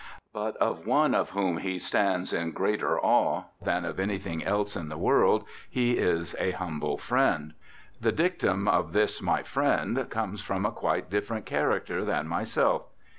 But of one of whom he stands in greater awe than of anything else in the world he is a humble friend. The dictum of this my friend comes from a quite different character than myself.